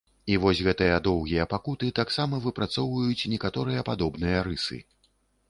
І вось гэтыя доўгія пакуты таксама выпрацоўваюць некаторыя падобныя рысы.